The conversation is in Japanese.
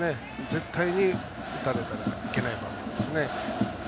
絶対に打たれたらいけないボールですね。